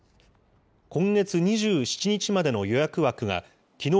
今月２７日までの予約枠がきのう